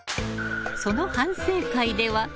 その反省会では。